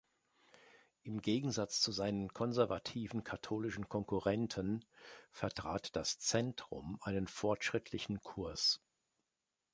Im Gegensatz zu seinen konservativen katholischen Konkurrenten vertrat das "Centrum" einen fortschrittlichen Kurs.